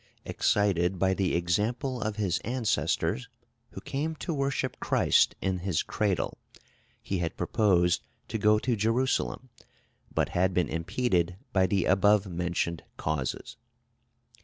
"Excited by the example of his ancestors, who came to worship Christ in his cradle, he had proposed to go to Jerusalem, but had been impeded by the above mentioned causes."